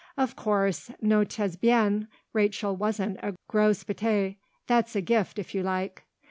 Of course, notez bien, Rachel wasn't a grosse bête: that's a gift if you like!"